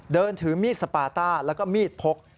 เดินถือมีดสปาต้าแล้วก็มีดพก